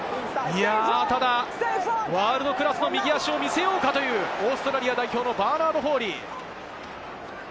ただワールドクラスの右足を見せようかという、オーストラリア代表のバーナード・フォーリー。